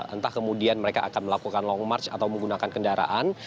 entah kemudian mereka akan melakukan long march atau menggunakan kendaraan